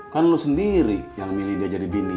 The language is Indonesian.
kan lo sendiri yang milih dia jadi bini